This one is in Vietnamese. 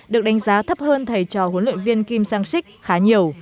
được đánh giá thấp hơn thầy trò huấn luyện viên kim sang sik khá nhiều